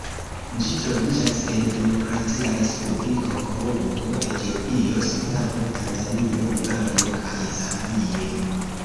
Ĝi troviĝas en Demokratia Respubliko Kongo, Etiopio, Sudano, Tanzanio, Ugando kaj Zambio.